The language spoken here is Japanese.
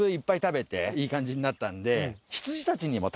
いい感じになったんで。